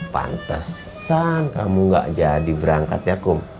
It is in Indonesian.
pantesan kamu nggak jadi berangkat ya kum